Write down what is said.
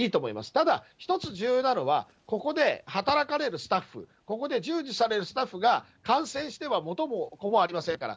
ただ、１つ重要なのは、ここで働かれるスタッフ、ここで従事されるスタッフが感染すれば、元も子もありませんから。